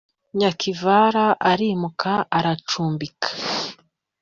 Nyakivara arimuka aracumbika